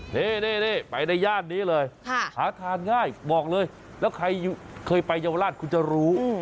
นี่ไปในย่านนี้เลยหาทานง่ายบอกเลยแล้วใครเคยไปเยาวราชคุณจะรู้